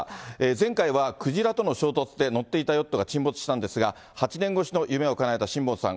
前回は鯨との衝突で乗っていたヨットが沈没したんですが、８年越しの夢をかなえた辛坊さん。